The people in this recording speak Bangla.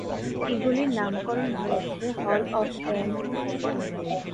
এগুলির নামকরণ হয়েছে ‘হল অফ ফেম’।